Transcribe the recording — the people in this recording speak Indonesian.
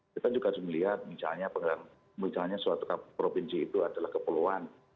kita juga harus melihat misalnya suatu provinsi itu adalah kepulauan